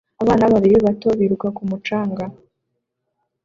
Abana babiri bato biruka ku mucanga